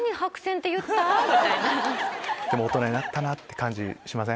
大人になったって感じしません？